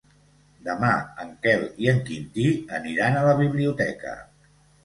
Demà en Quel i en Quintí aniran a la biblioteca.